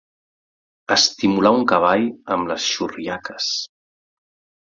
Estimular un cavall amb les xurriaques.